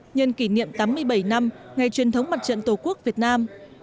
nhân kỷ niệm tám mươi bảy năm ngày truyền thống mặt trận tổ quốc việt nam